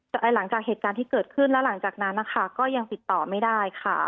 แต่หลังจากเหตุการณ์ที่เกิดขึ้นแล้วหลังจากนั้นนะคะก็ยังติดต่อไม่ได้ค่ะ